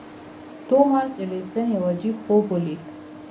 توماس ايډېسن يو عجيب خوب وليد.